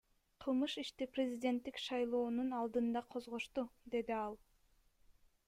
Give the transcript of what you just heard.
Кылмыш ишти президенттик шайлоонун алдында козгошту, — деди ал.